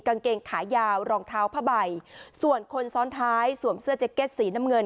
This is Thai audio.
กางเกงขายาวรองเท้าผ้าใบส่วนคนซ้อนท้ายสวมเสื้อแจ็กเก็ตสีน้ำเงิน